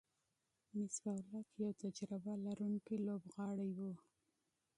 مصباح الحق یو تجربه لرونکی لوبغاړی وو.